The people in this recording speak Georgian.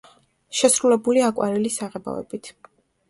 შესრულებული აკვარელის საღებავებით.